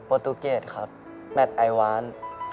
โปรตูเกียรติครับแมทไอว้าน